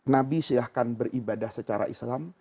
nabi silahkan beribadah secara islam